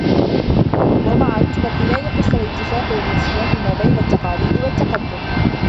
ومعاً تمثلان حسن الاتساق والانسجام ما بين التقاليد والتقدم.